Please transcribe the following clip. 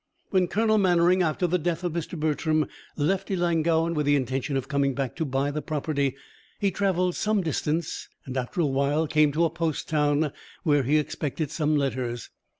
When Colonel Mannering, after the death of Mr. Bertram, left Ellangowan with the intention of coming back to buy the property, he travelled some distance, and after a while came to a post town where he expected some letters.